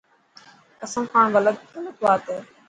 قسم کاڻ غلط بات هي.